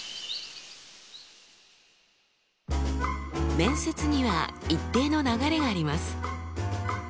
面接には一定の流れがあります。